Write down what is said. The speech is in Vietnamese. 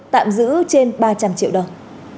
tạm giữ trên ba trăm linh triệu đồng